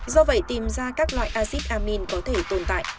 do vậy tìm ra các loại acid amin có thể tồn tại